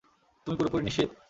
তুমি পুরোপুরি নিশ্চিত?